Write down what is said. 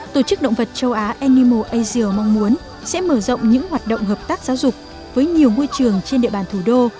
tổ chức động vật châu á animal asia mong muốn sẽ mở rộng những hoạt động hợp tác giáo dục với nhiều ngôi trường trên địa bàn thủ đô